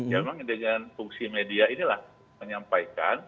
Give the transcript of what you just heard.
ya memang dengan fungsi media inilah menyampaikan